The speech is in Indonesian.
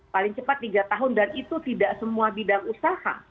paling cepat tiga tahun dan itu tidak semua bidang usaha